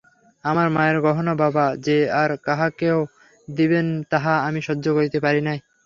আমার মায়ের গহনা বাবা যে আর কাহাকেও দিবেন তাহা আমি সহ্য করিতে পারি নাই।